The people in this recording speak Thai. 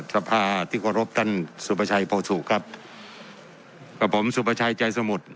สภาที่เคารพท่านสุประชัยโพสุครับกับผมสุประชัยใจสมุทร